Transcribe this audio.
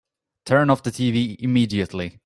Turn off the tv immediately!